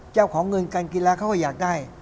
เจ้าของเงินการกีฬาเขาก็อยากได้